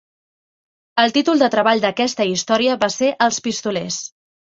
El títol de treball d'aquesta història va ser "Els pistolers".